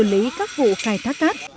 tự lý các vụ khai thác cát